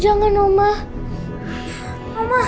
jangan marahin tonton ayah